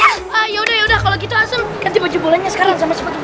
ya udah ya udah kalau gitu asun ganti pojok bolanya sekarang